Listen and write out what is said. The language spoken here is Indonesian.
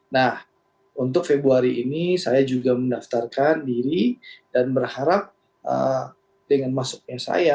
nah untuk februari ini saya juga mendaftarkan diri dan berharap dengan masuknya saya